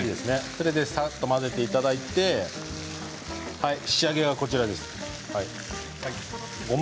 それでさっと混ぜていただいて仕上げがこちらです。